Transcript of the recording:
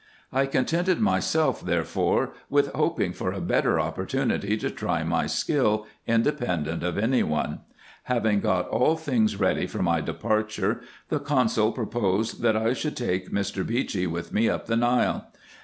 I contented myself, therefore, with hoping for a better opportunity to try my skill, independent of any one. Having got all things ready for my departure, the consul proposed that I should take Mr. Beechey with me up the Nile.